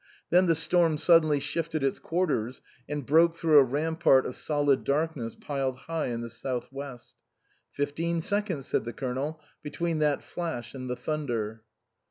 Then the storm suddenly shifted its quarters and broke through a rampart of solid darkness piled high in the south west. "Fifteen seconds," said the Colonel, "between that flash and the thunder."